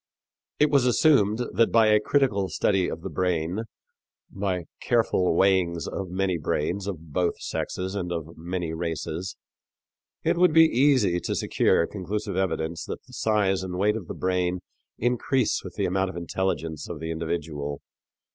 It was assumed that by a critical study of the brain, by careful weighings of many brains of both sexes and of many races, it would be easy to secure conclusive evidence that the size and weight of the brain increase with the amount of intelligence of the individual.